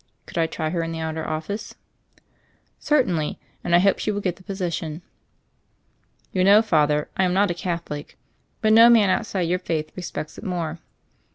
Could I try her in the outer office ?" "Certainly, and I hope she will get the posi tion." "You know, Father, I am not a Catholic. But no man outside your faith respects it more.